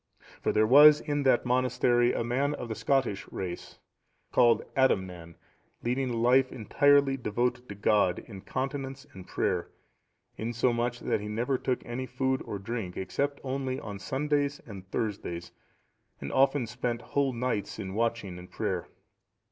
For there was in that monastery a man of the Scottish race, called Adamnan,(715) leading a life entirely devoted to God in continence and prayer, insomuch that he never took any food or drink, except only on Sundays and Thursdays; and often spent whole nights in watching and prayer.